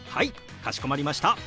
かしこまりました。